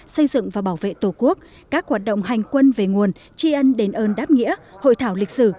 xây dựng và bảo vệ tổ quốc các hoạt động hành quân về nguồn tri ân đền ơn đáp nghĩa hội thảo lịch sử